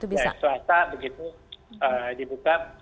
iya swasta begitu dibuka